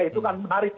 itu kan menarik